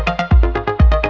mas mau ke mana